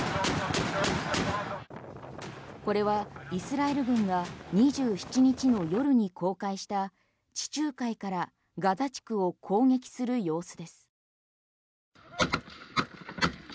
これはイスラエル軍が２７日の夜に公開した地中海からガザ地区を攻撃する様子です。